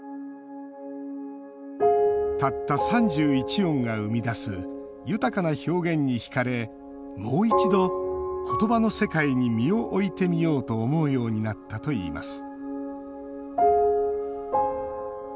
たった３１音が生み出す豊かな表現に引かれもう一度、言葉の世界に身を置いてみようと思うようになったといいます